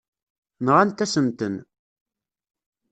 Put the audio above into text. Nɣant-asen-ten.